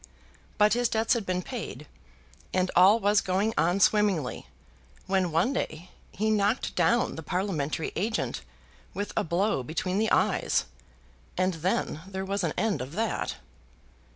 But his debts had been paid; and all was going on swimmingly, when one day he knocked down the parliamentary agent with a blow between the eyes, and then there was an end of that.